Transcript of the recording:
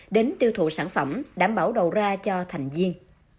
đến tiêu thụ sản phẩm đảm bảo đầu ra cho thành viên